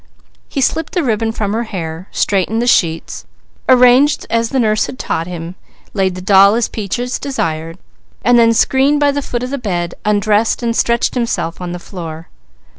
He slipped the ribbon from her hair, straightened the sheets, arranged as the nurse had taught him, laid the doll as Peaches desired, and then screened by the foot of the bed, undressed and stretched himself on the floor.